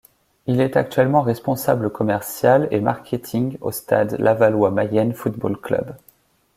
Il est actuellement Responsable Commercial et Marketing au Stade Lavallois Mayenne Football Club.